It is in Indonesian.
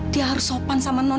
dia harus bersopan dengan nona